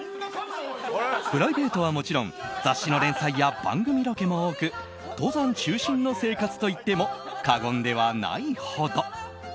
プライベートはもちろん雑誌の連載や番組ロケも多く登山中心の生活と言っても過言ではないほど。